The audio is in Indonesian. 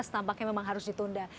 tampaknya memang harus ditunda